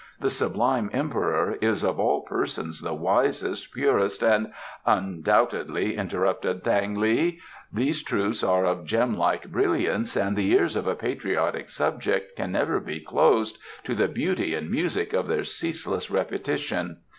"The sublime Emperor is of all persons the wisest, purest and " "Undoubtedly," interrupted Thang li. "These truths are of gem like brilliance, and the ears of a patriotic subject can never be closed to the beauty and music of their ceaseless repetition.